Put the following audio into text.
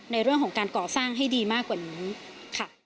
ในเรื่องของการก่อสร้างให้ดีมากกว่านี้ค่ะ